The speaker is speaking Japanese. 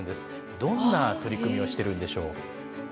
どんな取り組みをしてるんでしょう。